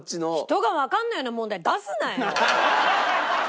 人がわかんないような問題出すなよ！